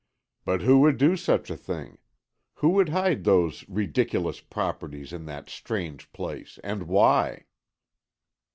"But who would do such a thing? Who would hide those ridiculous properties in that strange place, and why?"